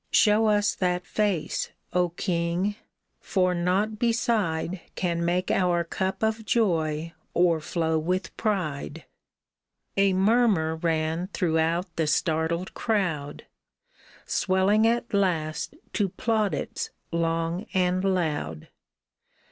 Show us that face, O king ! For nought beside Can make our cup of joy o'erflow with pride." 34 VASHTI'S SCROLL A murmur ran throughout the startled crowd, Swelling at last to plaudits long and loud.